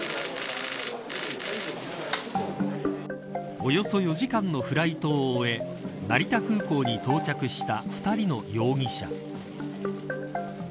およそ４時間のフライトを終え成田空港に到着した２人の容疑者。